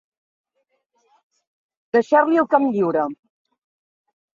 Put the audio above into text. Deixar-li el camp lliure.